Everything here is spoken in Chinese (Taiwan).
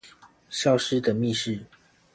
消失的密室